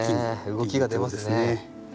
動きが出ますね。